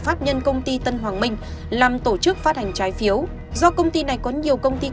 pháp nhân công ty tân hoàng minh làm tổ chức phát hành trái phiếu do công ty này có nhiều công ty